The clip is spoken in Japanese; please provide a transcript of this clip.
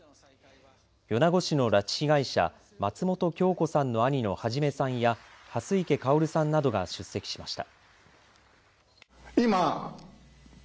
米子市の拉致被害者松本京子さんの兄の孟さんや蓮池薫さんなどが出席しました。